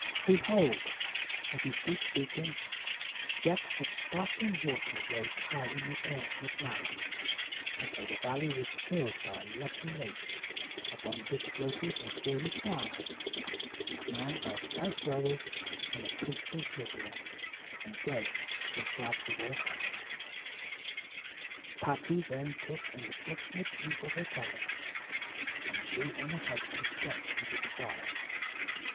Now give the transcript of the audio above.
Behold! As he ceased speaking, jets of sparkling water rose high in the air from his mouth, until the valley was filled by a lovely lake, upon which floated a gilded barge, manned by stout rowers in the prince's livery, and gay with flags of all colors. Patty then took an affectionate leave of her parents, and she and her husband stepped into the barge.